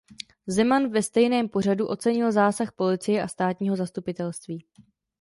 Zeman ve stejném pořadu ocenil zásah policie a státního zastupitelství.